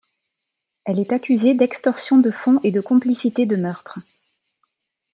Elle est accusée d'extorsion de fonds et de complicité de meurtres.